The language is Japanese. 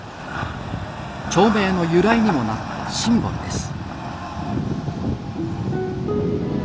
町名の由来にもなったシンボルです。